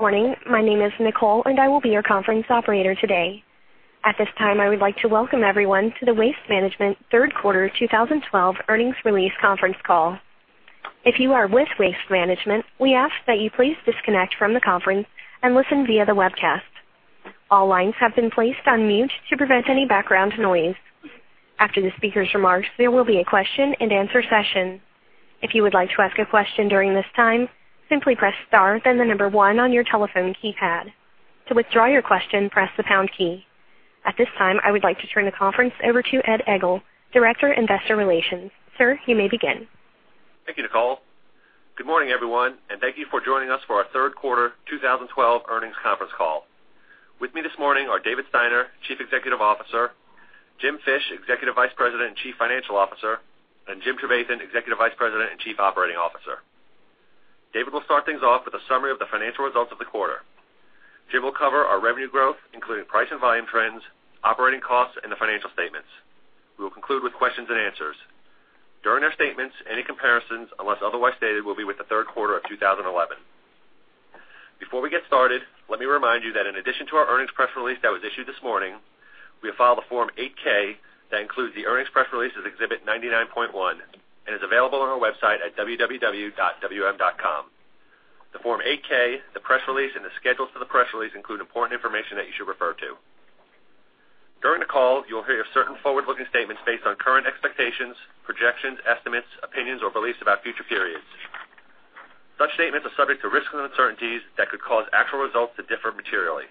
Good morning. My name is Nicole. I will be your conference operator today. At this time, I would like to welcome everyone to the Waste Management third quarter 2012 earnings release conference call. If you are with Waste Management, we ask that you please disconnect from the conference and listen via the webcast. All lines have been placed on mute to prevent any background noise. After the speaker's remarks, there will be a question and answer session. If you would like to ask a question during this time, simply press star then the number one on your telephone keypad. To withdraw your question, press the pound key. At this time, I would like to turn the conference over to Ed Egl, Director, Investor Relations. Sir, you may begin. Thank you, Nicole. Good morning, everyone. Thank you for joining us for our third quarter 2012 earnings conference call. With me this morning are David Steiner, Chief Executive Officer, Jim Fish, Executive Vice President and Chief Financial Officer, and Jim Trevathan, Executive Vice President and Chief Operating Officer. David will start things off with a summary of the financial results of the quarter. Jim will cover our revenue growth, including price and volume trends, operating costs, and the financial statements. We will conclude with questions and answers. During their statements, any comparisons, unless otherwise stated, will be with the third quarter of 2011. Before we get started, let me remind you that in addition to our earnings press release that was issued this morning, we have filed a Form 8-K that includes the earnings press release as Exhibit 99.1 and is available on our website at www.wm.com. The Form 8-K, the press release, and the schedules for the press release include important information that you should refer to. During the call, you will hear certain forward-looking statements based on current expectations, projections, estimates, opinions, or beliefs about future periods. Such statements are subject to risks and uncertainties that could cause actual results to differ materially.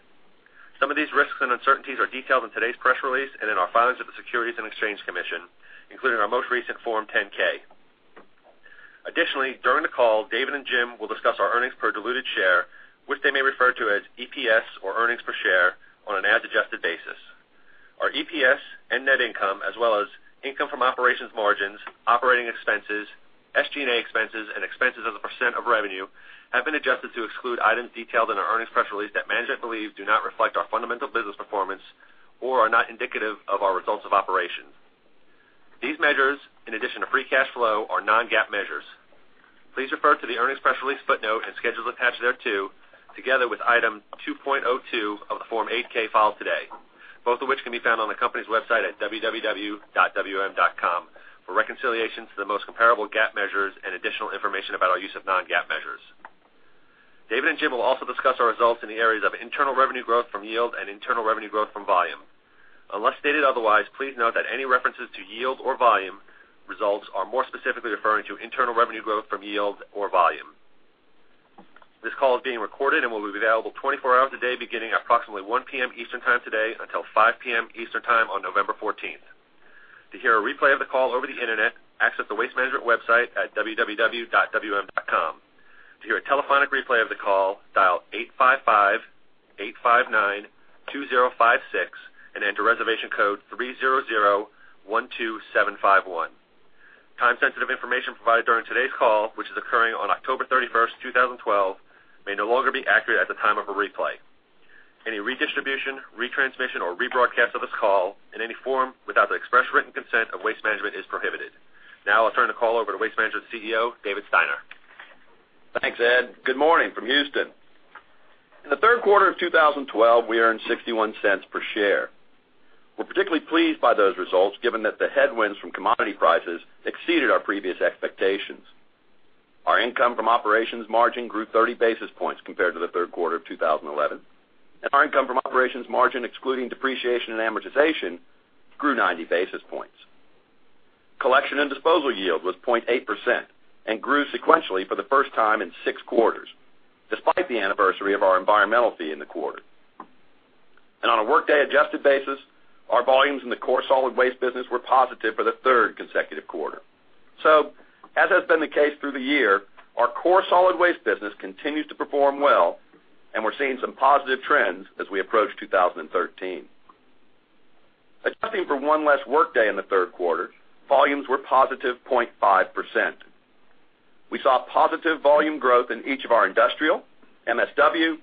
Some of these risks and uncertainties are detailed in today's press release and in our filings with the Securities and Exchange Commission, including our most recent Form 10-K. Additionally, during the call, David and Jim will discuss our earnings per diluted share, which they may refer to as EPS or earnings per share on an adjusted basis. Our EPS and net income, as well as income from operations margins, operating expenses, SG&A expenses, and expenses as a % of revenue have been adjusted to exclude items detailed in our earnings press release that management believes do not reflect our fundamental business performance or are not indicative of our results of operations. These measures, in addition to free cash flow, are non-GAAP measures. Please refer to the earnings press release footnote and schedules attached thereto, together with Item 2.02 of the Form 8-K filed today, both of which can be found on the company's website at www.wm.com for reconciliation to the most comparable GAAP measures and additional information about our use of non-GAAP measures. David and Jim will also discuss our results in the areas of internal revenue growth from yield and internal revenue growth from volume. Unless stated otherwise, please note that any references to yield or volume results are more specifically referring to internal revenue growth from yield or volume. This call is being recorded and will be available 24 hours a day beginning at approximately 1:00 P.M. Eastern time today until 5:00 P.M. Eastern time on November 14th. To hear a replay of the call over the internet, access the Waste Management website at www.wm.com. To hear a telephonic replay of the call, dial 855-859-2056 and enter reservation code 30012751. Time-sensitive information provided during today's call, which is occurring on October 31st, 2012, may no longer be accurate at the time of a replay. Any redistribution, retransmission, or rebroadcast of this call in any form without the express written consent of Waste Management is prohibited. I'll turn the call over to Waste Management CEO, David Steiner. Thanks, Ed. Good morning from Houston. In the third quarter of 2012, we earned $0.61 per share. We're particularly pleased by those results, given that the headwinds from commodity prices exceeded our previous expectations. Our income from operations margin grew 30 basis points compared to the third quarter of 2011, and our income from operations margin, excluding depreciation and amortization, grew 90 basis points. Collection and disposal yield was 0.8% and grew sequentially for the first time in six quarters, despite the anniversary of our environmental fee in the quarter. On a workday-adjusted basis, our volumes in the core solid waste business were positive for the third consecutive quarter. As has been the case through the year, our core solid waste business continues to perform well, and we're seeing some positive trends as we approach 2013. Adjusting for one less workday in the third quarter, volumes were positive 0.5%. We saw positive volume growth in each of our industrial, MSW,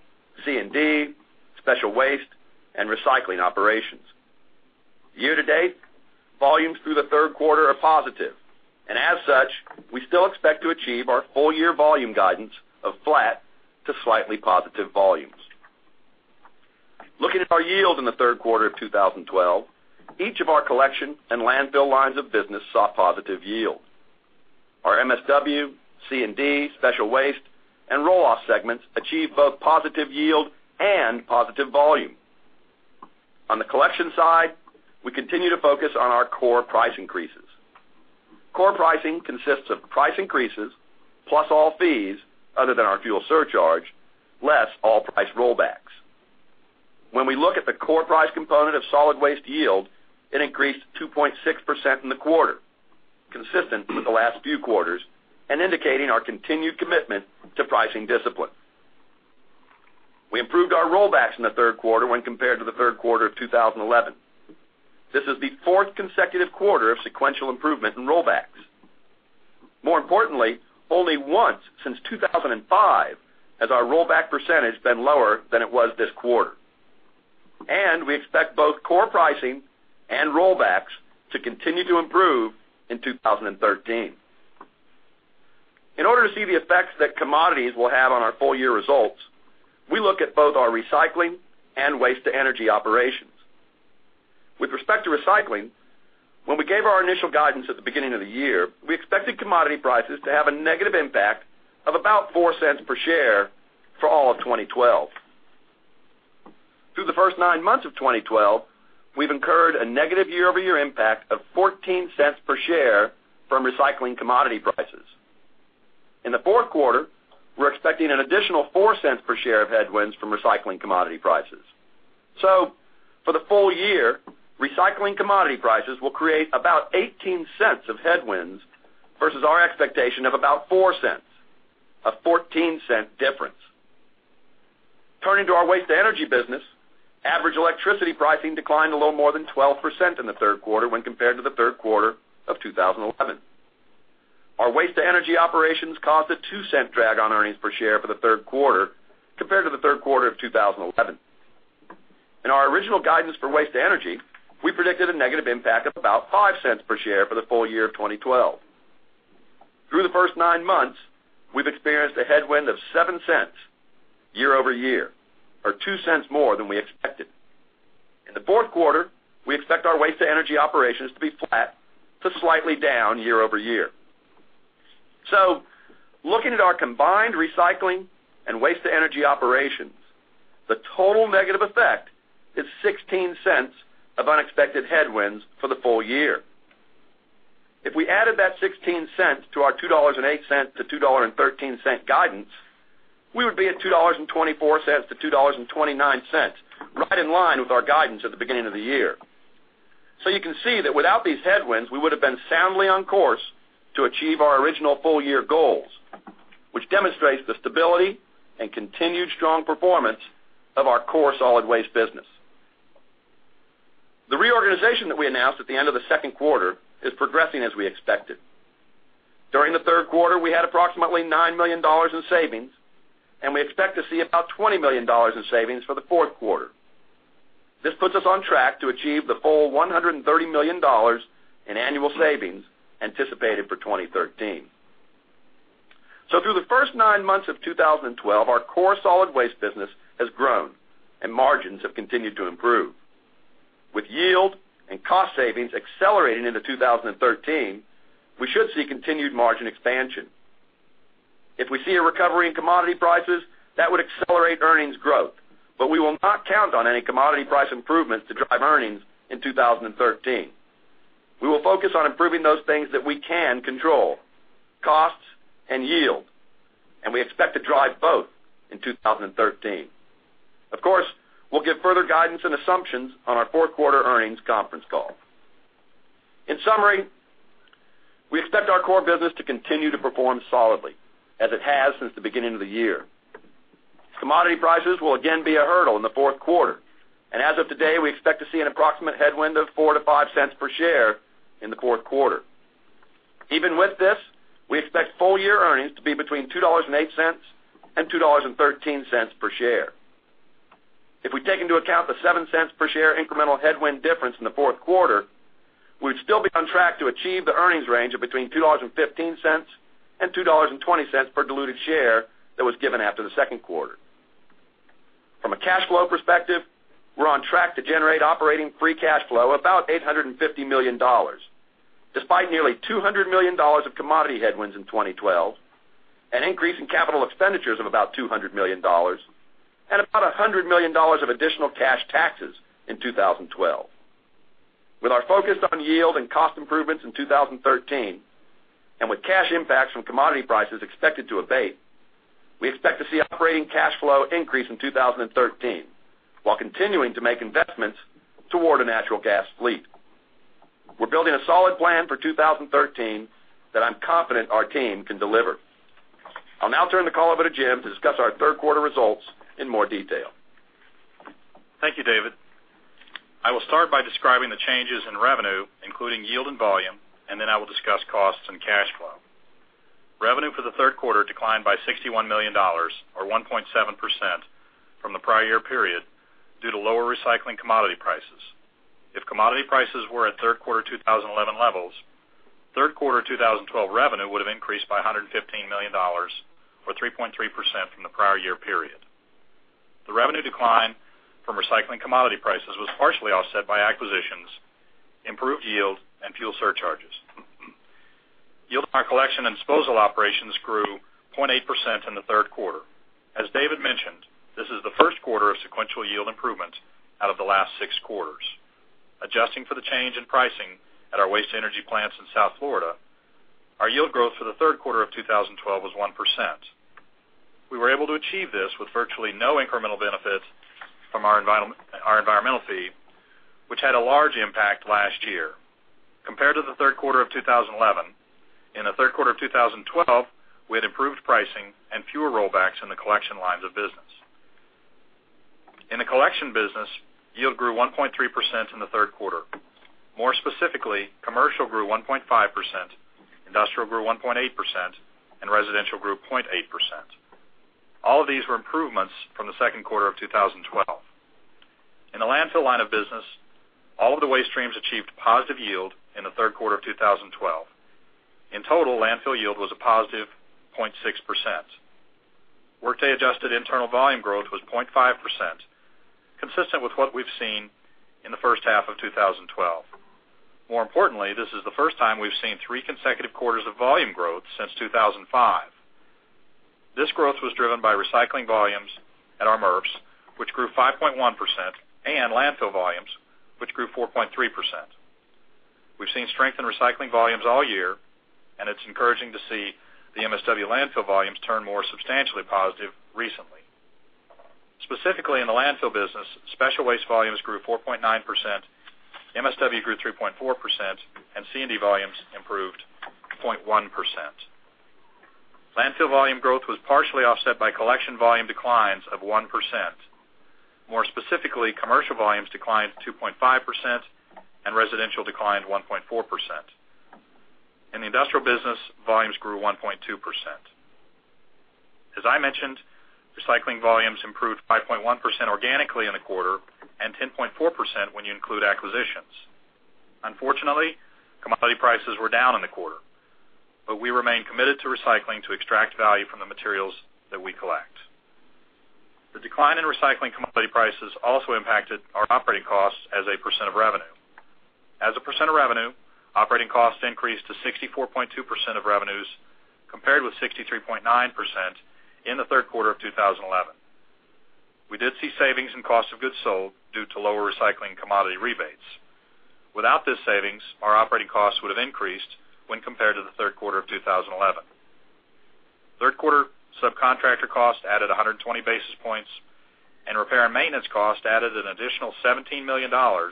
C&D, special waste, and recycling operations. Year to date, volumes through the third quarter are positive, and as such, we still expect to achieve our full-year volume guidance of flat to slightly positive volumes. Looking at our yield in the third quarter of 2012, each of our collection and landfill lines of business saw positive yield. Our MSW, C&D, special waste, and roll-off segments achieved both positive yield and positive volume. On the collection side, we continue to focus on our core price increases. Core pricing consists of price increases plus all fees other than our fuel surcharge, less all price rollbacks. When we look at the core price component of solid waste yield, it increased 2.6% in the quarter, consistent with the last few quarters and indicating our continued commitment to pricing discipline. We improved our rollbacks in the third quarter when compared to the third quarter of 2011. This is the fourth consecutive quarter of sequential improvement in rollbacks. More importantly, only once since 2005 has our rollback percentage been lower than it was this quarter. We expect both core pricing and rollbacks to continue to improve in 2013. In order to see the effects that commodities will have on our full year results, we look at both our recycling and waste-to-energy operations. With respect to recycling, when we gave our initial guidance at the beginning of the year, we expected commodity prices to have a negative impact of about $0.04 per share for all of 2012. Through the first nine months of 2012, we've incurred a negative year-over-year impact of $0.14 per share from recycling commodity prices. In the fourth quarter, we're expecting an additional $0.04 per share of headwinds from recycling commodity prices. For the full year, recycling commodity prices will create about $0.18 of headwinds versus our expectation of about $0.04, a $0.14 difference. Turning to our waste-to-energy business, average electricity pricing declined a little more than 12% in the third quarter when compared to the third quarter of 2011. Our waste-to-energy operations caused a $0.02 drag on earnings per share for the third quarter compared to the third quarter of 2011. In our original guidance for waste-to-energy, we predicted a negative impact of about $0.05 per share for the full year of 2012. Through the first nine months, we've experienced a headwind of $0.07 year-over-year, or $0.02 more than we expected. In the fourth quarter, we expect our waste-to-energy operations to be flat to slightly down year-over-year. Looking at our combined recycling and waste-to-energy operations, the total negative effect is $0.16 of unexpected headwinds for the full year. If we added that $0.16 to our $2.08-$2.13 guidance, we would be at $2.24-$2.29, right in line with our guidance at the beginning of the year. You can see that without these headwinds, we would've been soundly on course to achieve our original full year goals, which demonstrates the stability and continued strong performance of our core solid waste business. The reorganization that we announced at the end of the second quarter is progressing as we expected. During the third quarter, we had approximately $9 million in savings, and we expect to see about $20 million in savings for the fourth quarter. This puts us on track to achieve the full $130 million in annual savings anticipated for 2013. Through the first nine months of 2012, our core solid waste business has grown, and margins have continued to improve. With yield and cost savings accelerating into 2013, we should see continued margin expansion. If we see a recovery in commodity prices, that would accelerate earnings growth. We will not count on any commodity price improvements to drive earnings in 2013. We will focus on improving those things that we can control, costs and yield, and we expect to drive both in 2013. Of course, we'll give further guidance and assumptions on our fourth quarter earnings conference call. In summary, we expect our core business to continue to perform solidly, as it has since the beginning of the year. Commodity prices will again be a hurdle in the fourth quarter, and as of today, we expect to see an approximate headwind of $0.04-$0.05 per share in the fourth quarter. Even with this, we expect full year earnings to be between $2.08 and $2.13 per share. If we take into account the $0.07 per share incremental headwind difference in the fourth quarter, we'd still be on track to achieve the earnings range of between $2.15 and $2.20 per diluted share that was given after the second quarter. From a cash flow perspective, we're on track to generate operating free cash flow of about $850 million, despite nearly $200 million of commodity headwinds in 2012, an increase in capital expenditures of about $200 million and about $100 million of additional cash taxes in 2012. With our focus on yield and cost improvements in 2013, and with cash impacts from commodity prices expected to abate, we expect to see operating cash flow increase in 2013 while continuing to make investments toward a natural gas fleet. We're building a solid plan for 2013 that I'm confident our team can deliver. I'll now turn the call over to Jim to discuss our third quarter results in more detail. Thank you, David. I will start by describing the changes in revenue, including yield and volume, and then I will discuss costs and cash flow. Revenue for the third quarter declined by $61 million, or 1.7%, from the prior year period due to lower recycling commodity prices. If commodity prices were at third quarter 2011 levels, third quarter 2012 revenue would've increased by $115 million, or 3.3% from the prior year period. The revenue decline from recycling commodity prices was partially offset by acquisitions, improved yield, and fuel surcharges. Yield on our collection and disposal operations grew 0.8% in the third quarter. As David mentioned, this is the first quarter of sequential yield improvement out of the last six quarters. Adjusting for the change in pricing at our waste-to-energy plants in South Florida, our yield growth for the third quarter of 2012 was 1%. We were able to achieve this with virtually no incremental benefit from our environmental fee, which had a large impact last year. Compared to the third quarter of 2011, in the third quarter of 2012, we had improved pricing and fewer rollbacks in the collection lines of business. In the collection business, yield grew 1.3% in the third quarter. More specifically, commercial grew 1.5%, industrial grew 1.8%, and residential grew 0.8%. All of these were improvements from the second quarter of 2012. In the landfill line of business, all of the waste streams achieved positive yield in the third quarter of 2012. In total, landfill yield was a positive 0.6%. Workday adjusted internal volume growth was 0.5%, consistent with what we've seen in the first half of 2012. More importantly, this is the first time we've seen three consecutive quarters of volume growth since 2005. This growth was driven by recycling volumes at our MRFs, which grew 5.1%, and landfill volumes, which grew 4.3%. We've seen strength in recycling volumes all year, and it's encouraging to see the MSW landfill volumes turn more substantially positive recently. Specifically in the landfill business, special waste volumes grew 4.9%, MSW grew 3.4%, and C&D volumes improved 0.1%. Landfill volume growth was partially offset by collection volume declines of 1%. More specifically, commercial volumes declined 2.5% and residential declined 1.4%. In the industrial business, volumes grew 1.2%. As I mentioned, recycling volumes improved 5.1% organically in the quarter and 10.4% when you include acquisitions. We remain committed to recycling to extract value from the materials that we collect. The decline in recycling commodity prices also impacted our operating costs as a % of revenue. As a percent of revenue, operating costs increased to 64.2% of revenues compared with 63.9% in the third quarter of 2011. We did see savings in cost of goods sold due to lower recycling commodity rebates. Without this savings, our operating costs would have increased when compared to the third quarter of 2011. Third quarter subcontractor cost added 120 basis points and repair and maintenance cost added an additional $17 million, or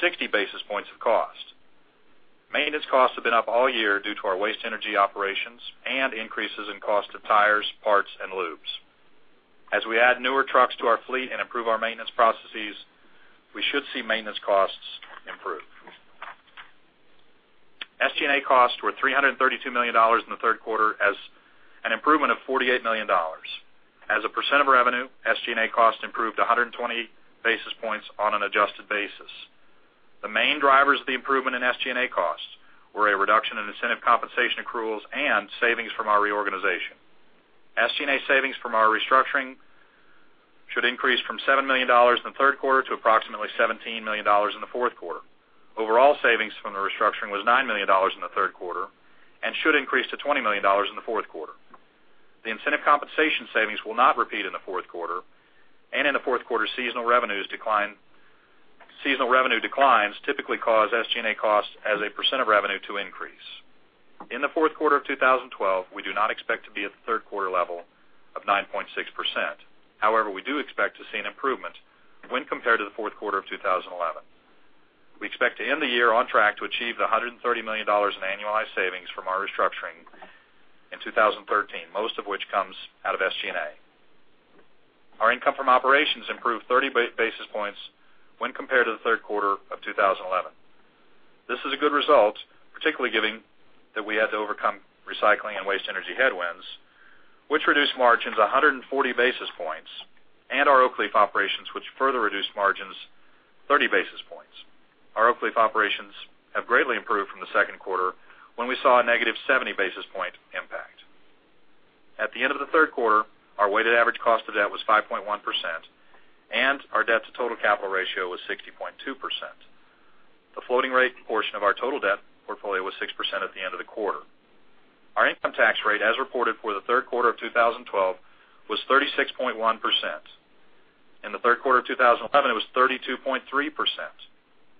60 basis points of cost. Maintenance costs have been up all year due to our waste energy operations and increases in cost of tires, parts, and lubes. As we add newer trucks to our fleet and improve our maintenance processes, we should see maintenance costs improve. SG&A costs were $332 million in the third quarter as an improvement of $48 million. As a percent of revenue, SG&A cost improved 120 basis points on an adjusted basis. The main drivers of the improvement in SG&A costs were a reduction in incentive compensation accruals and savings from our reorganization. SG&A savings from our restructuring should increase from $7 million in the third quarter to approximately $17 million in the fourth quarter. Overall savings from the restructuring was $9 million in the third quarter and should increase to $20 million in the fourth quarter. The incentive compensation savings will not repeat in the fourth quarter. In the fourth quarter, seasonal revenue declines typically cause SG&A costs as a percent of revenue to increase. In the fourth quarter of 2012, we do not expect to be at the third quarter level of 9.6%. We do expect to see an improvement when compared to the fourth quarter of 2011. We expect to end the year on track to achieve the $130 million in annualized savings from our restructuring in 2013, most of which comes out of SG&A. Our income from operations improved 30 basis points when compared to the third quarter of 2011. This is a good result, particularly given that we had to overcome recycling and waste energy headwinds, which reduced margins 140 basis points, and our Oak Leaf operations, which further reduced margins 30 basis points. Our Oak Leaf operations have greatly improved from the second quarter, when we saw a negative 70 basis point impact. At the end of the third quarter, our weighted average cost of debt was 5.1%, and our debt to total capital ratio was 60.2%. The floating rate portion of our total debt portfolio was 6% at the end of the quarter. Our income tax rate, as reported for the third quarter of 2012, was 36.1%. In the third quarter of 2011, it was 32.3%.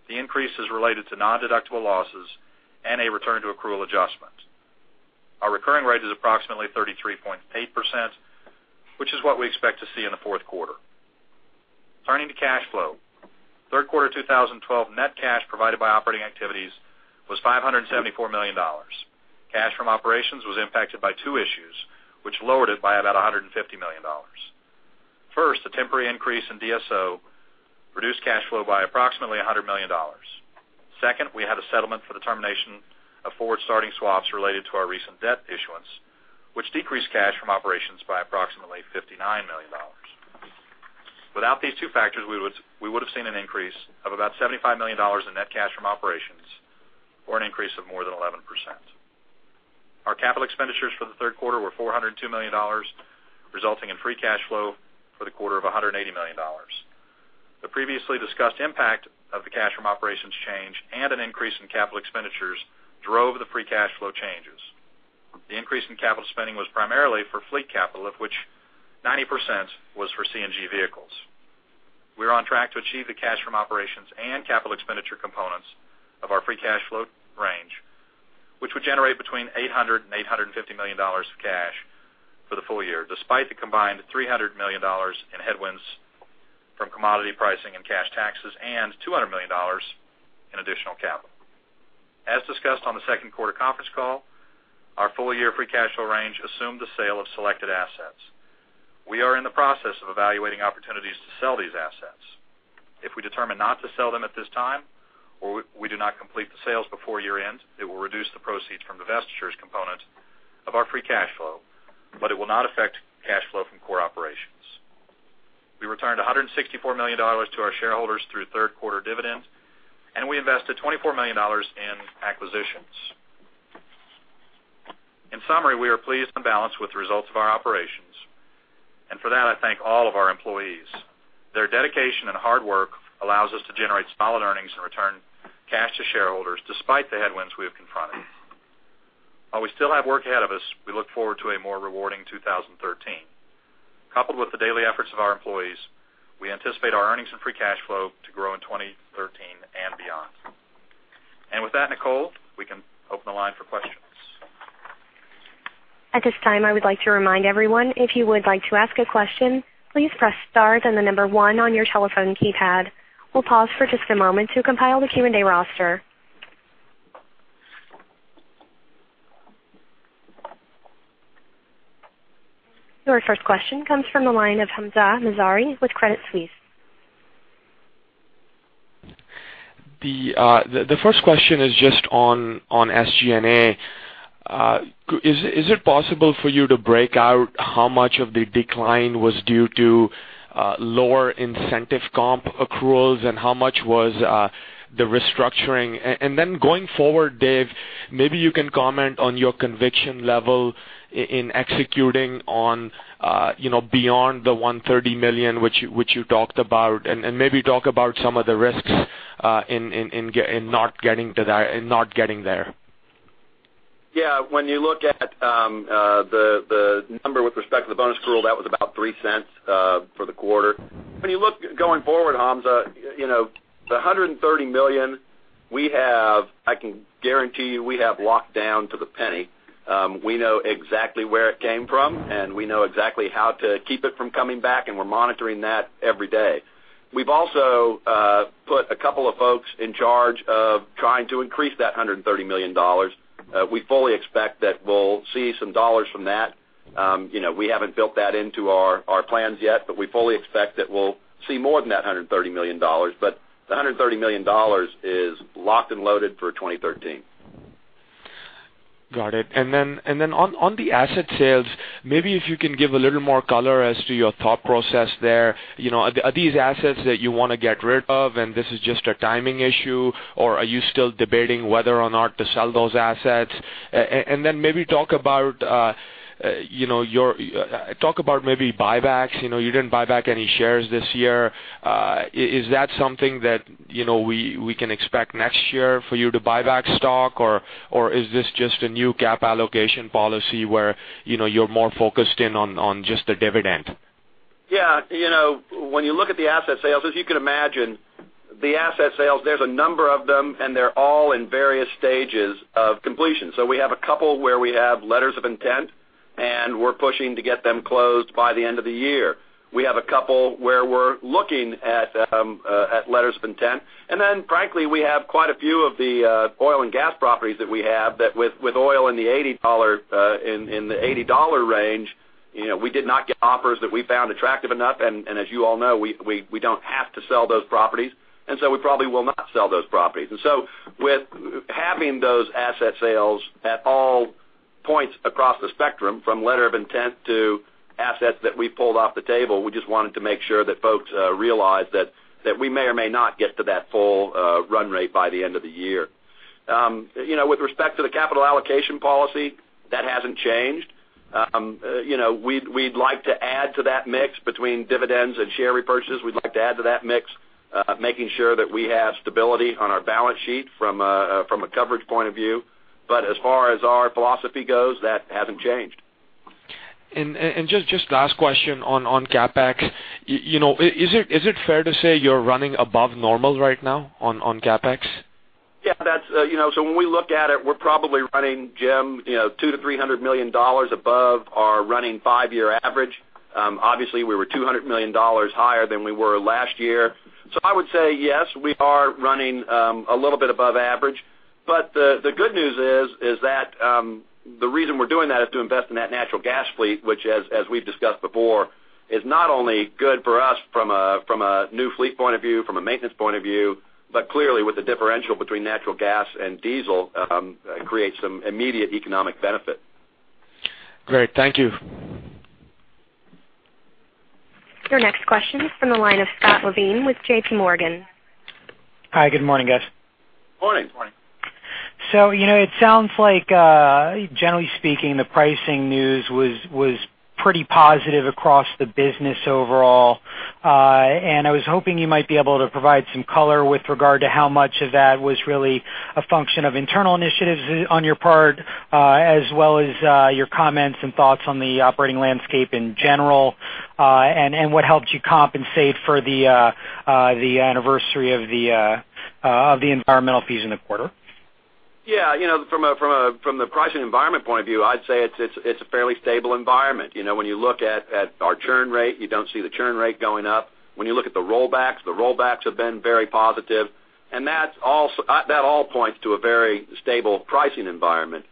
The increase is related to nondeductible losses and a return to accrual adjustment. Our recurring rate is approximately 33.8%, which is what we expect to see in the fourth quarter. Turning to cash flow. Third quarter 2012 net cash provided by operating activities was $574 million. Cash from operations was impacted by two issues, which lowered it by about $150 million. First, a temporary increase in DSO reduced cash flow by approximately $100 million. Second, we had a settlement for the termination of forward-starting swaps related to our recent debt issuance, which decreased cash from operations by approximately $59 million. Without these two factors, we would've seen an increase of about $75 million in net cash from operations or an increase of more than 11%. Our capital expenditures for the third quarter were $402 million, resulting in free cash flow for the quarter of $180 million. The previously discussed impact of the cash from operations change and an increase in capital expenditures drove the free cash flow changes. The increase in capital spending was primarily for fleet capital, of which 90% was for CNG vehicles. We are on track to achieve the cash from operations and capital expenditure components of our free cash flow range, which would generate between $800 and $850 million of cash for the full year, despite the combined $300 million in headwinds from commodity pricing and cash taxes and $200 million in additional capital. As discussed on the second quarter conference call, our full year free cash flow range assumed the sale of selected assets. We are in the process of evaluating opportunities to sell these assets. If we determine not to sell them at this time, or we do not complete the sales before year-end, it will reduce the proceeds from divestitures component of our free cash flow, but it will not affect cash flow from core operations. We returned $164 million to our shareholders through third quarter dividends, and we invested $24 million in acquisitions. In summary, we are pleased and balanced with the results of our operations. For that, I thank all of our employees. Their dedication and hard work allows us to generate solid earnings and return cash to shareholders despite the headwinds we have confronted. While we still have work ahead of us, we look forward to a more rewarding 2013. Coupled with the daily efforts of our employees, we anticipate our earnings and free cash flow to grow in 2013 and beyond. With that, Nicole, we can open the line for questions. At this time, I would like to remind everyone, if you would like to ask a question, please press star and the number 1 on your telephone keypad. We'll pause for just a moment to compile the Q&A roster. Your first question comes from the line of Hamzah Mazari with Credit Suisse. The first question is just on SG&A. Is it possible for you to break out how much of the decline was due to lower incentive comp accruals, and how much was the restructuring? Then going forward, Dave, maybe you can comment on your conviction level in executing on beyond the $130 million which you talked about, and maybe talk about some of the risks in not getting there. Yeah. When you look at the number with respect to the bonus accrual, that was about $0.03 for the quarter. When you look going forward, Hamzah, the $130 million, I can guarantee you, we have locked down to the penny. We know exactly where it came from, and we know exactly how to keep it from coming back, and we're monitoring that every day. We've also put a couple of folks in charge of trying to increase that $130 million. We fully expect that we'll see some dollars from that. We haven't built that into our plans yet, but we fully expect that we'll see more than that $130 million. The $130 million is locked and loaded for 2013. Got it. Then on the asset sales, maybe if you can give a little more color as to your thought process there. Are these assets that you want to get rid of, and this is just a timing issue, or are you still debating whether or not to sell those assets? Then maybe talk about maybe buybacks. You didn't buy back any shares this year. Is that something that we can expect next year for you to buy back stock, or is this just a new cap allocation policy where you're more focused in on just the dividend? Yeah. When you look at the asset sales, as you can imagine, the asset sales, there's a number of them, and they're all in various stages of completion. We have a couple where we have letters of intent, and we're pushing to get them closed by the end of the year. We have a couple where we're looking at letters of intent. Then frankly, we have quite a few of the oil and gas properties that we have that with oil in the $80 range, we did not get offers that we found attractive enough, and as you all know, we don't have to sell those properties. We probably will not sell those properties. With having those asset sales at all points across the spectrum, from letter of intent to assets that we pulled off the table, we just wanted to make sure that folks realize that we may or may not get to that full run rate by the end of the year. With respect to the capital allocation policy, that hasn't changed. We'd like to add to that mix between dividends and share repurchases. We'd like to add to that mix, making sure that we have stability on our balance sheet from a coverage point of view. As far as our philosophy goes, that hasn't changed. Just last question on CapEx. Is it fair to say you're running above normal right now on CapEx? Yeah. When we look at it, we're probably running, Jim, $200 million-$300 million above our running five-year average. Obviously, we were $200 million higher than we were last year. I would say yes, we are running a little bit above average. The good news is that the reason we're doing that is to invest in that natural gas fleet, which as we've discussed before, is not only good for us from a new fleet point of view, from a maintenance point of view, but clearly with the differential between natural gas and diesel, creates some immediate economic benefit. Great. Thank you. Your next question is from the line of Scott Levine with JP Morgan. Hi, good morning, guys. Morning. Morning. It sounds like, generally speaking, the pricing news was pretty positive across the business overall. I was hoping you might be able to provide some color with regard to how much of that was really a function of internal initiatives on your part, as well as your comments and thoughts on the operating landscape in general, and what helped you compensate for the anniversary of the environmental fees in the quarter. Yeah. From the pricing environment point of view, I'd say it's a fairly stable environment. When you look at our churn rate, you don't see the churn rate going up. When you look at the rollbacks, the rollbacks have been very positive, and that all points to a very stable pricing environment.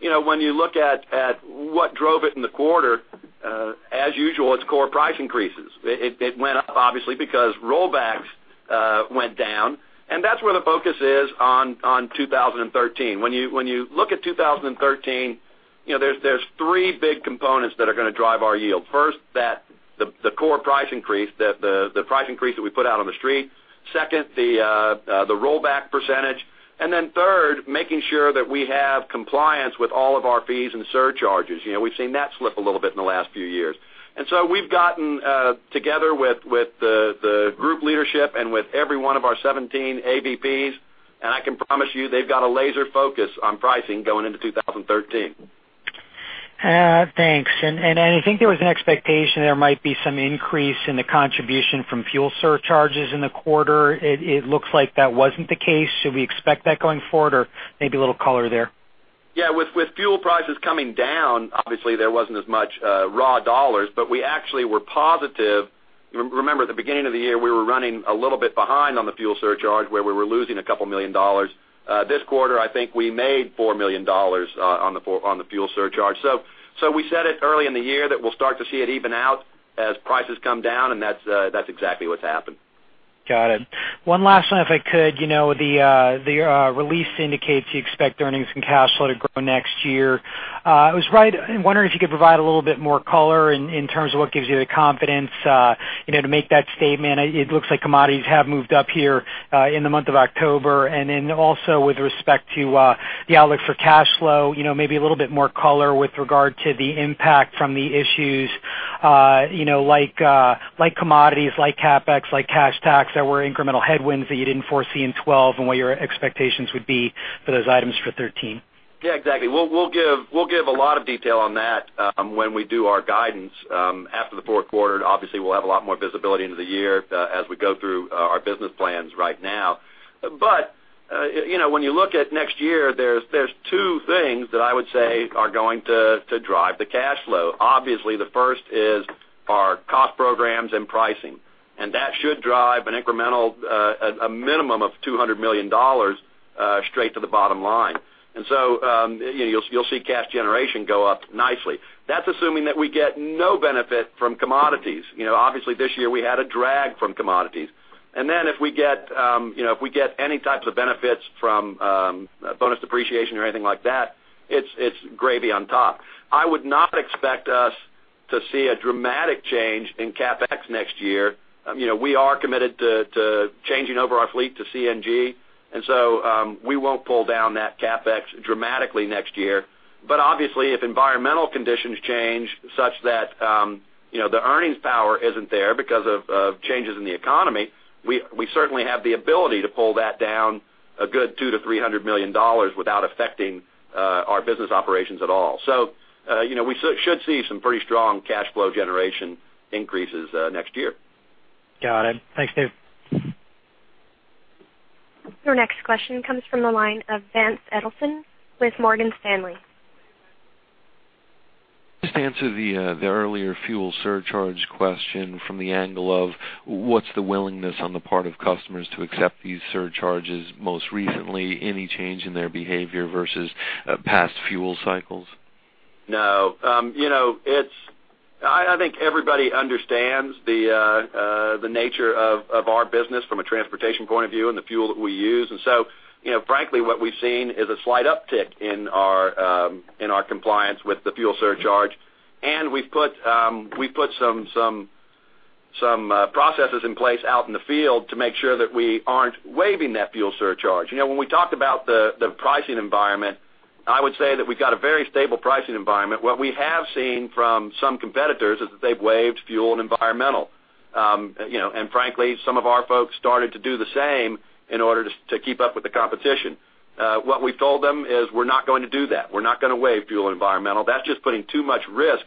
When you look at what drove it in the quarter, as usual, it's core price increases. It went up, obviously, because rollbacks went down, and that's where the focus is on 2013. When you look at 2013, there's three big components that are going to drive our yield. First, the core price increase, the price increase that we put out on the street. Second, the rollback percentage. Third, making sure that we have compliance with all of our fees and surcharges. We've seen that slip a little bit in the last few years. We've gotten together with the group leadership and with every one of our 17 AVPs, and I can promise you they've got a laser focus on pricing going into 2013. Thanks. I think there was an expectation there might be some increase in the contribution from fuel surcharges in the quarter. It looks like that wasn't the case. Should we expect that going forward? Maybe a little color there. Yeah. With fuel prices coming down, obviously, there wasn't as much raw dollars, but we actually were positive. Remember, at the beginning of the year, we were running a little bit behind on the fuel surcharge, where we were losing a couple million dollars. This quarter, I think we made $4 million on the fuel surcharge. We said it early in the year that we'll start to see it even out as prices come down, and that's exactly what's happened. Got it. One last one, if I could. The release indicates you expect earnings and cash flow to grow next year. I was wondering if you could provide a little bit more color in terms of what gives you the confidence to make that statement. It looks like commodities have moved up here in the month of October. Also with respect to the outlook for cash flow, maybe a little bit more color with regard to the impact from the issues like commodities, like CapEx, like cash tax that were incremental headwinds that you didn't foresee in 2012, and what your expectations would be for those items for 2013. Yeah, exactly. We'll give a lot of detail on that when we do our guidance after the fourth quarter. Obviously, we'll have a lot more visibility into the year as we go through our business plans right now. When you look at next year, there's two things that I would say are going to drive the cash flow. Obviously, the first is our cost programs and pricing, that should drive a minimum of $200 million straight to the bottom line. You'll see cash generation go up nicely. That's assuming that we get no benefit from commodities. Obviously, this year we had a drag from commodities. If we get any types of benefits from bonus depreciation or anything like that, it's gravy on top. I would not expect us to see a dramatic change in CapEx next year. We are committed to changing over our fleet to CNG, we won't pull down that CapEx dramatically next year. Obviously, if environmental conditions change such that the earnings power isn't there because of changes in the economy, we certainly have the ability to pull that down a good $200 million to $300 million without affecting our business operations at all. We should see some pretty strong cash flow generation increases next year. Got it. Thanks, Dave. Your next question comes from the line of Vance Edelson with Morgan Stanley. Just to answer the earlier fuel surcharge question from the angle of what's the willingness on the part of customers to accept these surcharges most recently, any change in their behavior versus past fuel cycles? No. I think everybody understands the nature of our business from a transportation point of view and the fuel that we use. Frankly, what we've seen is a slight uptick in our compliance with the fuel surcharge. We've put some processes in place out in the field to make sure that we aren't waiving that fuel surcharge. When we talk about the pricing environment, I would say that we've got a very stable pricing environment. What we have seen from some competitors is that they've waived fuel and environmental. Frankly, some of our folks started to do the same in order to keep up with the competition. What we've told them is we're not going to do that. We're not going to waive fuel and environmental. That's just putting too much risk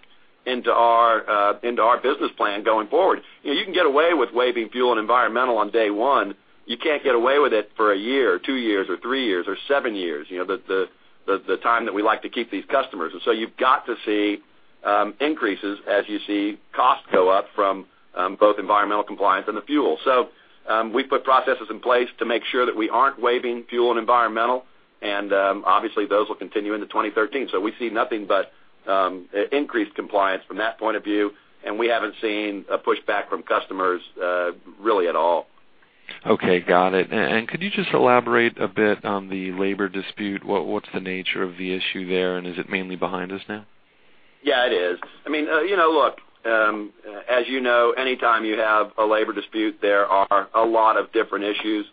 into our business plan going forward. You can get away with waiving fuel and environmental on day one. You can't get away with it for a year or two years or three years or seven years, the time that we like to keep these customers. You've got to see increases as you see costs go up from both environmental compliance and the fuel. We put processes in place to make sure that we aren't waiving fuel and environmental, and obviously, those will continue into 2013. We see nothing but increased compliance from that point of view, and we haven't seen a pushback from customers really at all. Okay, got it. Could you just elaborate a bit on the labor dispute? What's the nature of the issue there, and is it mainly behind us now? Yeah, it is. Look, as you know, anytime you have a labor dispute, there are a lot of different issues.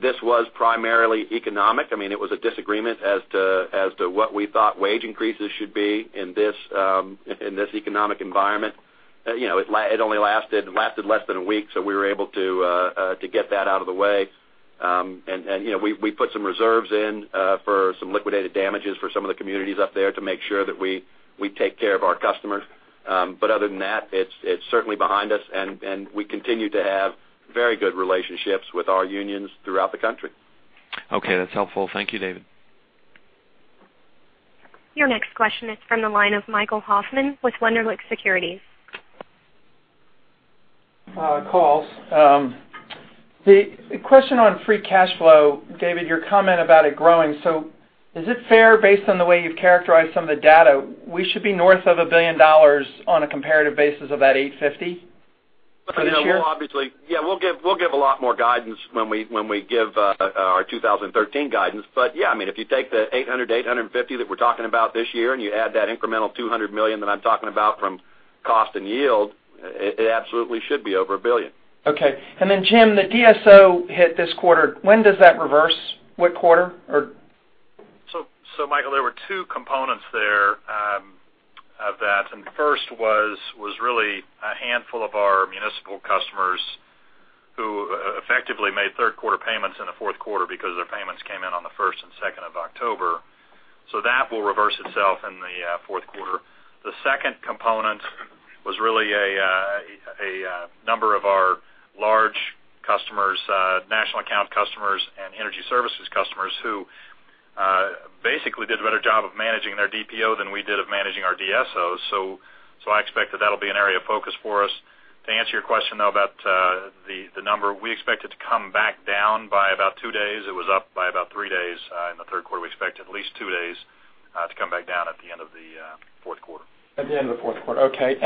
This was primarily economic. It was a disagreement as to what we thought wage increases should be in this economic environment. It only lasted less than one week, so we were able to get that out of the way. We put some reserves in for some liquidated damages for some of the communities up there to make sure that we take care of our customers. Other than that, it's certainly behind us, and we continue to have very good relationships with our unions throughout the country. Okay, that's helpful. Thank you, David. Your next question is from the line of Michael Hoffman with Wunderlich Securities. calls. The question on free cash flow, David, your comment about it growing. Is it fair, based on the way you've characterized some of the data, we should be north of $1 billion on a comparative basis of that $850 for this year? Yeah. We'll give a lot more guidance when we give our 2013 guidance. Yeah, if you take the $800-$850 that we're talking about this year, and you add that incremental $200 million that I'm talking about from cost and yield, it absolutely should be over $1 billion. Okay. Jim, the DSO hit this quarter, when does that reverse? What quarter or? Michael, there were two components there of that. The first was really a handful of our municipal customers who effectively made third quarter payments in the fourth quarter because their payments came in on the 1st and 2nd of October. That will reverse itself in the fourth quarter. The second component was really a number of our large customers, national account customers, and energy services customers who basically did a better job of managing their DPO than we did of managing our DSOs. I expect that that'll be an area of focus for us. To answer your question, though, about the number, we expect it to come back down by about two days. It was up by about three days in the third quarter. We expect it at least two days to come back down at the end of the fourth quarter. At the end of the fourth quarter. Okay.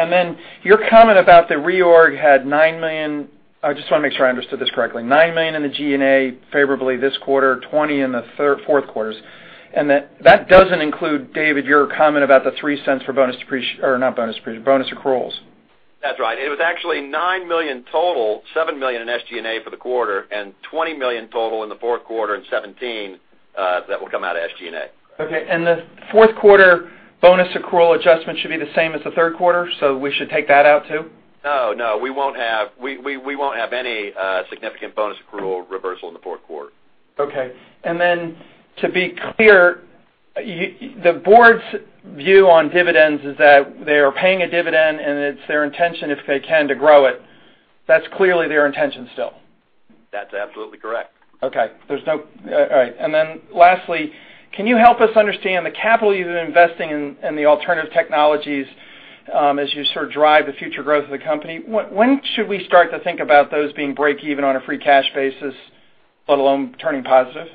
Your comment about the reorg had $9 million. I just want to make sure I understood this correctly. $9 million in the G&A favorably this quarter, $20 in the fourth quarters, that doesn't include, David, your comment about the $0.03 for bonus accruals. That's right. It was actually $9 million total, $7 million in SG&A for the quarter, and $20 million total in the fourth quarter and $17 million that will come out of SG&A. Okay. The fourth quarter bonus accrual adjustment should be the same as the third quarter, so we should take that out, too? No, we won't have any significant bonus accrual reversal in the fourth quarter. Okay. To be clear, the board's view on dividends is that they are paying a dividend, and it's their intention, if they can, to grow it. That's clearly their intention still. That's absolutely correct. Okay. All right. Then lastly, can you help us understand the capital you've been investing in the alternative technologies as you sort of drive the future growth of the company? When should we start to think about those being break even on a free cash basis, let alone turning positive?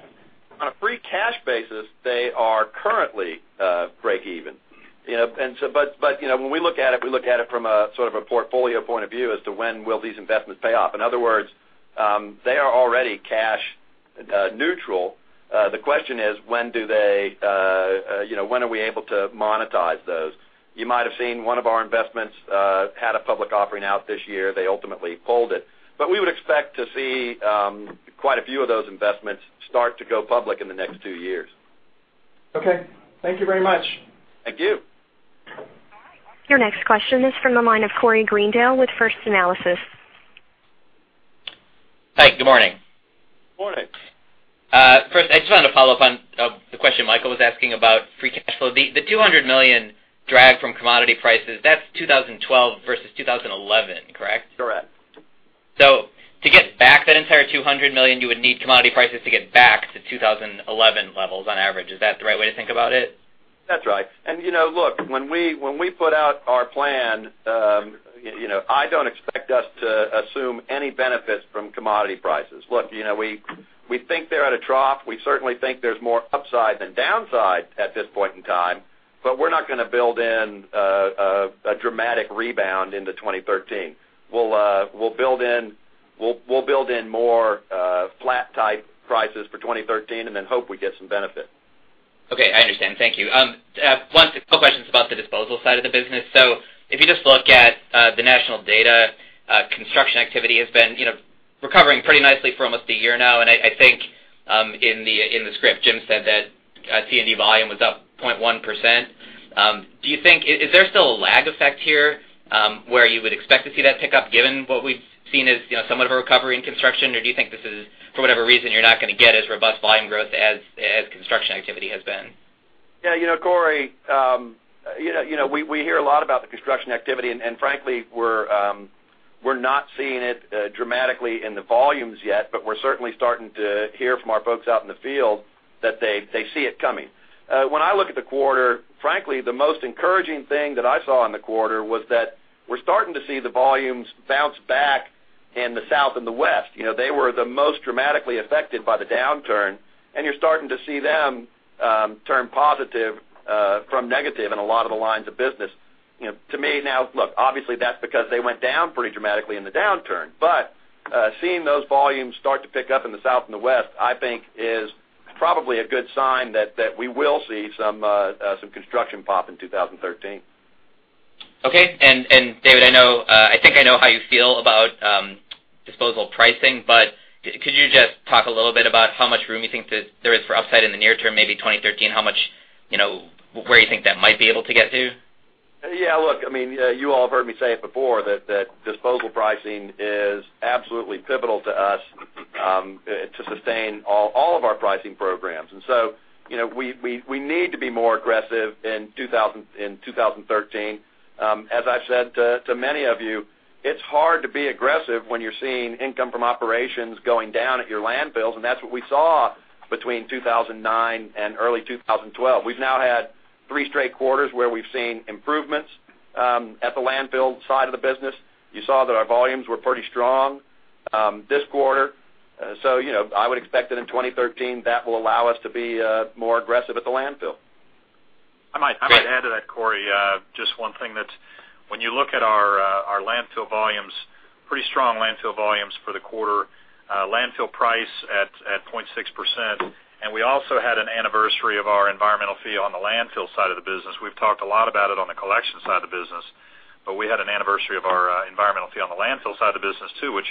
On a free cash basis, they are currently break even. When we look at it, we look at it from a sort of a portfolio point of view as to when will these investments pay off. In other words, they are already cash neutral. The question is, when are we able to monetize those? You might have seen one of our investments had a public offering out this year. They ultimately pulled it. We would expect to see quite a few of those investments start to go public in the next two years. Okay. Thank you very much. Thank you. Your next question is from the line of Corey Greendale with First Analysis. Hi, good morning. Morning. First, I just wanted to follow up on the question Michael was asking about free cash flow. The $200 million drag from commodity prices, that's 2012 versus 2011, correct? Correct. To get back that entire $200 million, you would need commodity prices to get back to 2011 levels on average. Is that the right way to think about it? That's right. Look, when we put out our plan, I don't expect us to assume any benefits from commodity prices. Look, we think they're at a trough. We certainly think there's more upside than downside at this point in time, but we're not going to build in a dramatic rebound into 2013. We'll build in more flat type prices for 2013 and then hope we get some benefit. Okay, I understand. Thank you. Couple questions about the disposal side of the business. If you just look at the national data, construction activity has been recovering pretty nicely for almost a year now, and I think, in the script, Jim said that C&D volume was up 0.1%. Is there still a lag effect here where you would expect to see that pick up given what we've seen as somewhat of a recovery in construction? Do you think this is, for whatever reason, you're not going to get as robust volume growth as construction activity has been? Corey, we hear a lot about the construction activity, and frankly, we're not seeing it dramatically in the volumes yet, we're certainly starting to hear from our folks out in the field that they see it coming. When I look at the quarter, frankly, the most encouraging thing that I saw in the quarter was that we're starting to see the volumes bounce back in the South and the West. They were the most dramatically affected by the downturn, and you're starting to see them turn positive from negative in a lot of the lines of business. To me, now look, obviously that's because they went down pretty dramatically in the downturn. Seeing those volumes start to pick up in the South and the West, I think, is probably a good sign that we will see some construction pop in 2013. Okay. David, I think I know how you feel about disposal pricing, but could you just talk a little bit about how much room you think there is for upside in the near term, maybe 2013? Where do you think that might be able to get to? Yeah, look, you all have heard me say it before that disposal pricing is absolutely pivotal to us to sustain all of our pricing programs. We need to be more aggressive in 2013. As I've said to many of you, it's hard to be aggressive when you're seeing income from operations going down at your landfills, and that's what we saw between 2009 and early 2012. We've now had Three straight quarters where we've seen improvements at the landfill side of the business. You saw that our volumes were pretty strong this quarter. I would expect that in 2013, that will allow us to be more aggressive at the landfill. I might add to that, Corey, just one thing. When you look at our landfill volumes, pretty strong landfill volumes for the quarter. Landfill price at 0.6%. We also had an anniversary of our environmental fee on the landfill side of the business. We've talked a lot about it on the collection side of the business, but we had an anniversary of our environmental fee on the landfill side of the business, too, which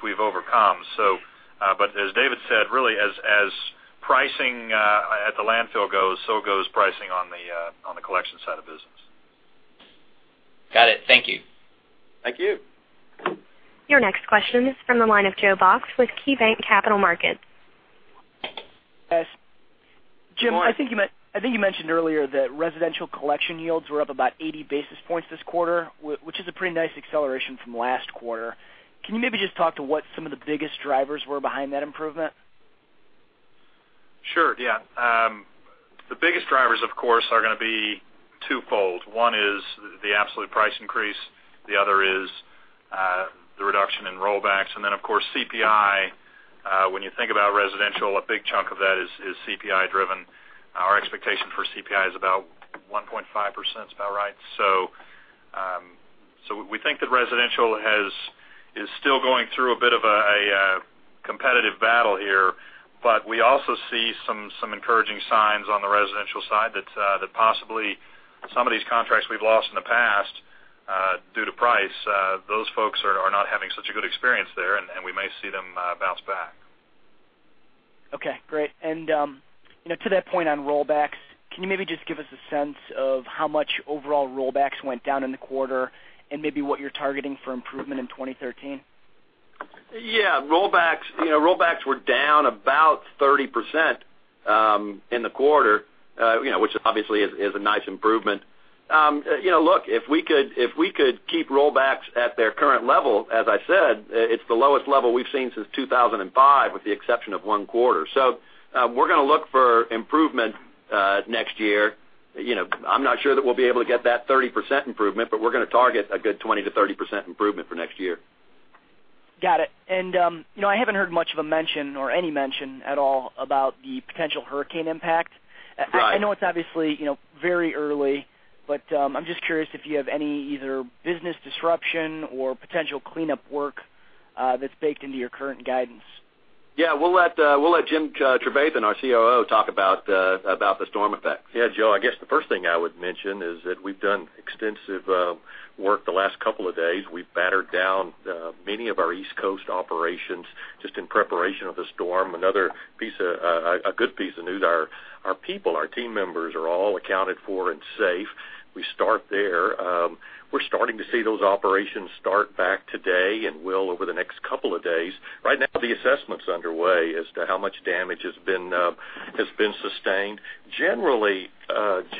we've overcome. As David said, really, as pricing at the landfill goes, so goes pricing on the collection side of the business. Got it. Thank you. Thank you. Your next question is from the line of Joe Box with KeyBanc Capital Markets. Yes. Jim, I think you mentioned earlier that residential collection yields were up about 80 basis points this quarter, which is a pretty nice acceleration from last quarter. Can you maybe just talk to what some of the biggest drivers were behind that improvement? Sure. Yeah. The biggest drivers, of course, are going to be twofold. One is the absolute price increase, the other is the reduction in rollbacks. Of course, CPI, when you think about residential, a big chunk of that is CPI driven. Our expectation for CPI is about 1.5%, about right. We think that residential is still going through a bit of a competitive battle here, but we also see some encouraging signs on the residential side that possibly some of these contracts we've lost in the past, due to price, those folks are not having such a good experience there, and we may see them bounce back. Okay, great. To that point on rollbacks, can you maybe just give us a sense of how much overall rollbacks went down in the quarter, and maybe what you're targeting for improvement in 2013? Yeah. Rollbacks were down about 30% in the quarter, which obviously is a nice improvement. Look, if we could keep rollbacks at their current level, as I said, it's the lowest level we've seen since 2005, with the exception of one quarter. We're going to look for improvement next year. I'm not sure that we'll be able to get that 30% improvement, but we're going to target a good 20%-30% improvement for next year. Got it. I haven't heard much of a mention or any mention at all about the potential hurricane impact. Right. I know it's obviously very early, but I'm just curious if you have any, either business disruption or potential cleanup work that's baked into your current guidance. Yeah, we'll let Jim Trevathan, our COO, talk about the storm effects. Yeah, Joe, I guess the first thing I would mention is that we've done extensive work the last couple of days. We've battered down many of our East Coast operations just in preparation of the storm. Another good piece of news, our people, our team members, are all accounted for and safe. We start there. We're starting to see those operations start back today and will over the next couple of days. Right now, the assessment's underway as to how much damage has been sustained. Generally,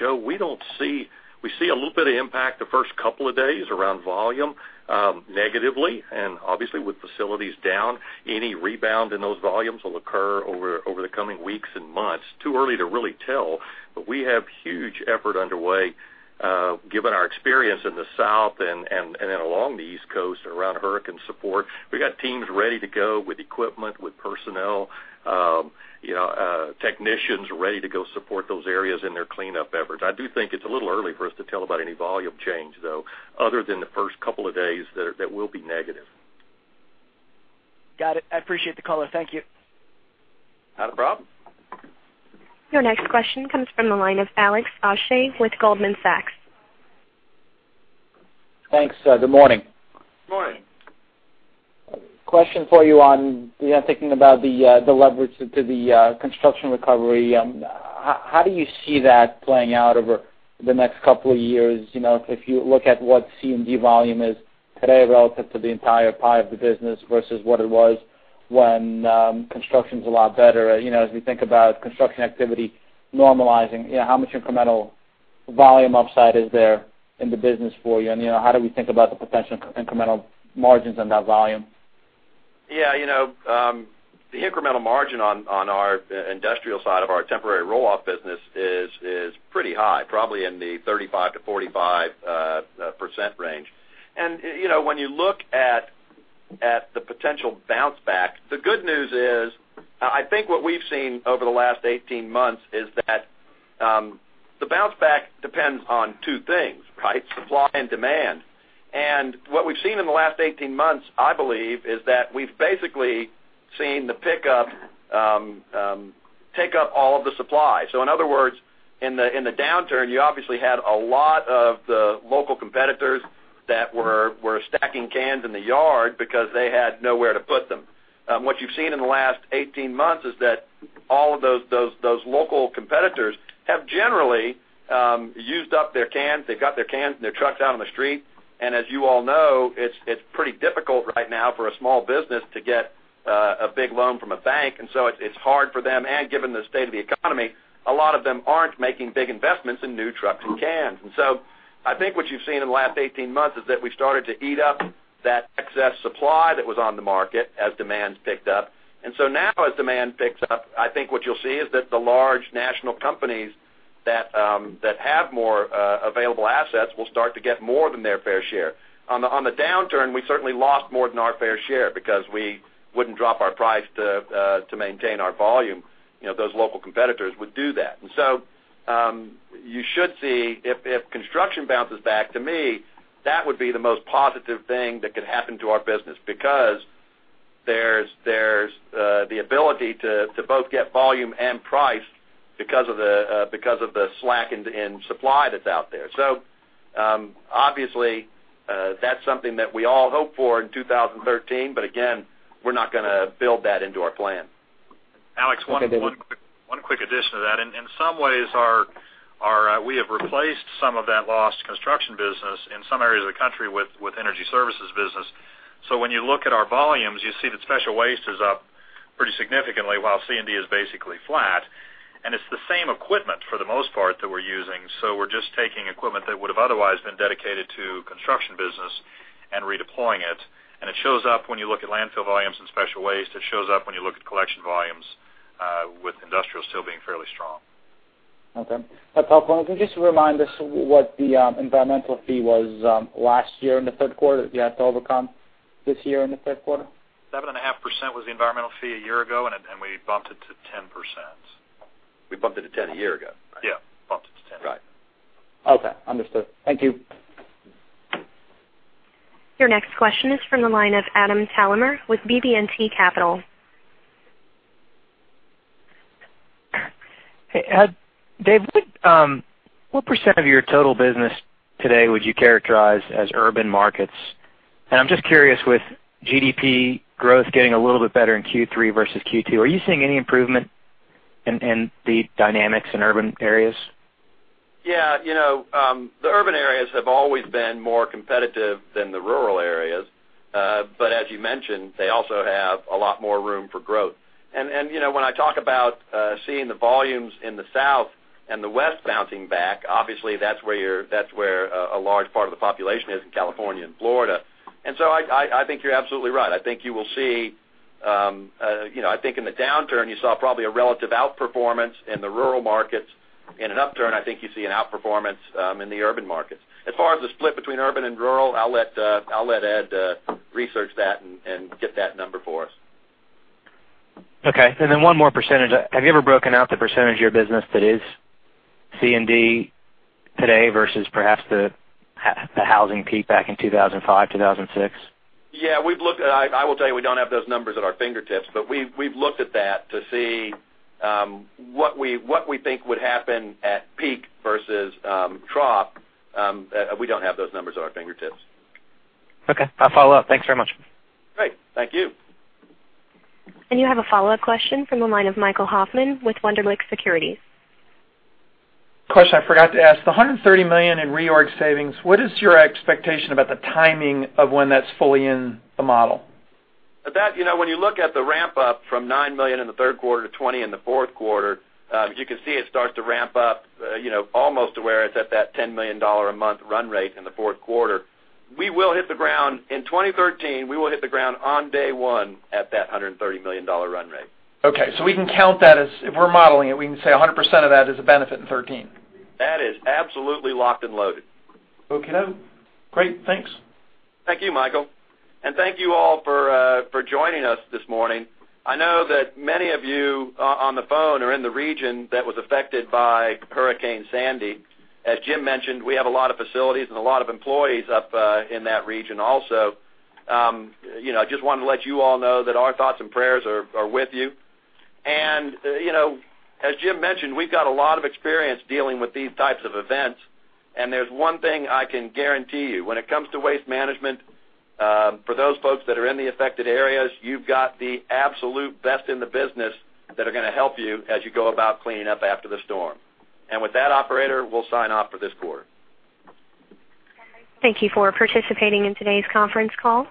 Joe, we see a little bit of impact the first couple of days around volume, negatively. Obviously, with facilities down, any rebound in those volumes will occur over the coming weeks and months. Too early to really tell. We have huge effort underway given our experience in the South and then along the East Coast around hurricane support. We've got teams ready to go with equipment, with personnel, technicians ready to go support those areas in their cleanup efforts. I do think it's a little early for us to tell about any volume change, though, other than the first couple of days that will be negative. Got it. I appreciate the color. Thank you. Not a problem. Your next question comes from the line of Alex Ashe with Goldman Sachs. Thanks. Good morning. Morning. Question for you on thinking about the leverage to the construction recovery. How do you see that playing out over the next couple of years? If you look at what C&D volume is today relative to the entire pie of the business versus what it was when construction's a lot better. As we think about construction activity normalizing, how much incremental volume upside is there in the business for you? How do we think about the potential incremental margins on that volume? Yeah. The incremental margin on our industrial side of our temporary roll-off business is pretty high, probably in the 35%-45% range. When you look at the potential bounce back, the good news is, I think what we've seen over the last 18 months is that the bounce back depends on two things, right? Supply and demand. What we've seen in the last 18 months, I believe, is that we've basically seen the pickup take up all of the supply. In other words, in the downturn, you obviously had a lot of the local competitors that were stacking cans in the yard because they had nowhere to put them. What you've seen in the last 18 months is that all of those local competitors have generally used up their cans. They've got their cans and their trucks out on the street. As you all know, it's pretty difficult right now for a small business to get a big loan from a bank. It's hard for them, and given the state of the economy, a lot of them aren't making big investments in new trucks and cans. I think what you've seen in the last 18 months is that we started to eat up that excess supply that was on the market as demands picked up. Now as demand picks up, I think what you'll see is that the large national companies that have more available assets will start to get more than their fair share. On the downturn, we certainly lost more than our fair share, because we wouldn't drop our price to maintain our volume. Those local competitors would do that. You should see, if construction bounces back, to me, that would be the most positive thing that could happen to our business, because there's the ability to both get volume and price because of the slack in supply that's out there. Obviously, that's something that we all hope for in 2013. Again, we're not going to build that into our plan. Alex, one quick addition to that. In some ways, we have replaced some of that lost construction business in some areas of the country with energy services business. When you look at our volumes, you see that special waste is up pretty significantly, while C&D is basically flat. It's the same equipment, for the most part, that we're using. We're just taking equipment that would've otherwise been dedicated to construction business and redeploying it. It shows up when you look at landfill volumes and special waste. It shows up when you look at collection volumes, with industrial still being fairly strong. Okay. A follow-up, can you just remind us what the environmental fee was last year in the third quarter you had to overcome this year in the third quarter? Seven and a half % was the environmental fee a year ago, we bumped it to 10%. We bumped it to 10% a year ago. Yeah. Bumped it to 10%. Right. Okay. Understood. Thank you. Your next question is from the line of Al Kaschalk with BB&T Capital Markets. Hey, Ed. Dave, what % of your total business today would you characterize as urban markets? I'm just curious, with GDP growth getting a little bit better in Q3 versus Q2, are you seeing any improvement in the dynamics in urban areas? Yeah. The urban areas have always been more competitive than the rural areas. As you mentioned, they also have a lot more room for growth. When I talk about seeing the volumes in the South and the West bouncing back, obviously, that's where a large part of the population is in California and Florida. I think you're absolutely right. I think in the downturn, you saw probably a relative outperformance in the rural markets. In an upturn, I think you see an outperformance in the urban markets. As far as the split between urban and rural, I'll let Ed research that and get that number for us. Okay. Then one more %. Have you ever broken out the percentage of your business that is C&D today versus perhaps the housing peak back in 2005, 2006? Yeah. I will tell you, we don't have those numbers at our fingertips, but we've looked at that to see what we think would happen at peak versus trough. We don't have those numbers at our fingertips. Okay. I'll follow up. Thanks very much. Great. Thank you. You have a follow-up question from the line of Michael Hoffman with Wunderlich Securities. Question I forgot to ask, the $130 million in reorg savings, what is your expectation about the timing of when that's fully in the model? When you look at the ramp-up from $9 million in the third quarter to $20 in the fourth quarter, as you can see, it starts to ramp up almost to where it's at that $10 million a month run rate in the fourth quarter. In 2013, we will hit the ground on day one at that $130 million run rate. We can count that as, if we're modeling it, we can say 100% of that is a benefit in 2013. That is absolutely locked and loaded. Okay, great. Thanks. Thank you, Michael. Thank you all for joining us this morning. I know that many of you on the phone are in the region that was affected by Hurricane Sandy. As Jim mentioned, we have a lot of facilities and a lot of employees up in that region also. Just wanted to let you all know that our thoughts and prayers are with you. As Jim mentioned, we've got a lot of experience dealing with these types of events, and there's one thing I can guarantee you. When it comes to Waste Management, for those folks that are in the affected areas, you've got the absolute best in the business that are going to help you as you go about cleaning up after the storm. With that, operator, we'll sign off for this quarter. Thank you for participating in today's conference call.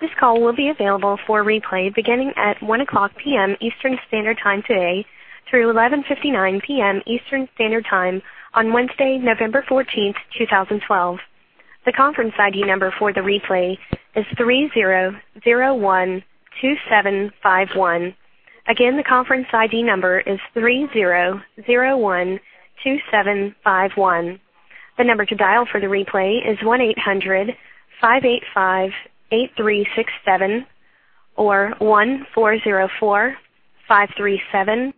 This call will be available for replay beginning at 1:00 P.M. Eastern Standard Time today through 11:59 P.M. Eastern Standard Time on Wednesday, November 14th, 2012. The conference ID number for the replay is 3001 2751. Again, the conference ID number is 3001 2751. The number to dial for the replay is 1-800-585-8367 or 1-404-537-7830